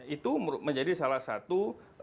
itu menjadi salah satu